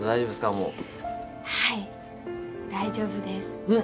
もうはい大丈夫ですうんっ！